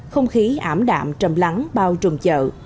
không khí ảm đạm trầm lắng bao trùm chợ